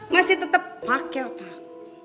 masih tetep pake otak